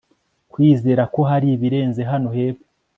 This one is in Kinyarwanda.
Kwizera ko hari ibirenze hano hepfo